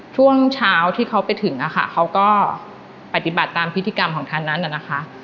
ช่วงเช้าที่เขาไปถึงอะค่ะเขาก็ปฏิบัติตามพิธีกรรมของท่านนั้นน่ะนะคะ